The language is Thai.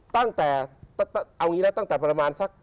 ตั้งแต่เอางี้แล้วตั้งแต่ประมาณสัก